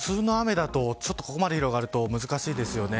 普通の雨だとここまで広がると難しいですよね。